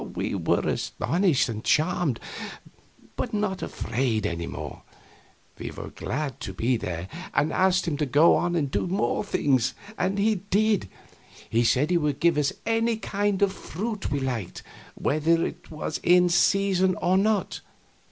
We were astonished and charmed, but not afraid any more; we were very glad to be there, and asked him to go on and do some more things. And he did. He said he would give us any kind of fruit we liked, whether it was in season or not.